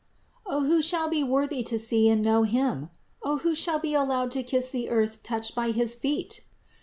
O, who shall be worthy to see and know Him! O, who shall be allowed to kiss the earth touched by his feet!"